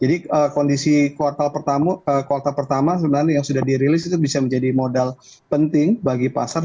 jadi kondisi kuartal pertama sebenarnya yang sudah dirilis itu bisa menjadi modal penting bagi pasar